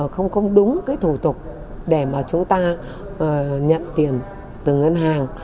không đúng cái thủ tục để mà chúng ta nhận tiền từ ngân hàng